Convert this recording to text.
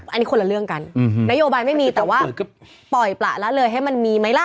อันนี้คนละเรื่องกันนโยบายไม่มีแต่ว่าปล่อยประละเลยให้มันมีไหมล่ะ